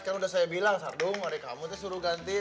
kan udah saya bilang sardung ada kamu terus suruh ganti